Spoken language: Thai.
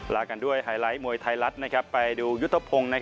ลากันด้วยไฮไลท์มวยไทยรัฐไปดูยุทธพงศ์